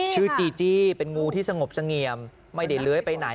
จีจี้เป็นงูที่สงบเสงี่ยมไม่ได้เลื้อยไปไหน